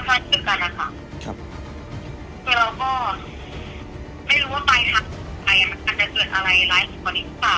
ไม่รู้ว่าไปทางหรือไม่ไปอาจจะเกิดอะไรร้ายขึ้นก่อนนี้หรือเปล่า